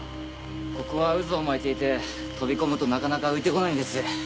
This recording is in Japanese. ここは渦を巻いていて飛び込むとなかなか浮いてこないんです。